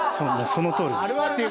そのとおりです。